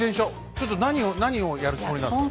ちょっと何を何をやるつもりなんですか？